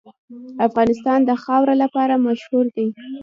افغانستان د خاوره لپاره مشهور دی.